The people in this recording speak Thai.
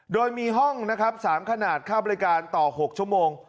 โดยมีห้องนะครับ๓ขนาดค่าบริการต่อ๖ชั่วโมง